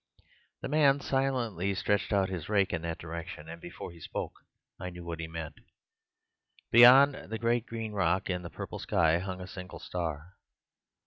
"The man silently stretched out his rake in that direction, and before he spoke I knew what he meant. Beyond the great green rock in the purple sky hung a single star.